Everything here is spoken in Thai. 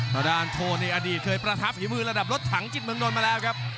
ทางด้านโทนี่อดีตเคยประทับฝีมือระดับรถถังจิตเมืองนนทมาแล้วครับ